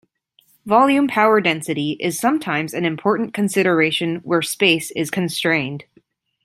Volume power density is sometimes an important consideration where space is constrained.